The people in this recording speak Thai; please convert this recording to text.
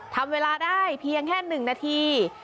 ทำเวลาได้เพียงแค่๑นาที